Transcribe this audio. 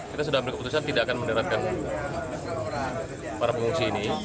kita sudah ambil keputusan tidak akan mendaratkan para pengungsi ini